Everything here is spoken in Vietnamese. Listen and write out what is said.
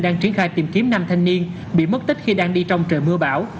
đang triển khai tìm kiếm năm thanh niên bị mất tích khi đang đi trong trời mưa bão